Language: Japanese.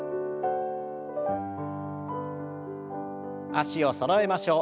脚をそろえましょう。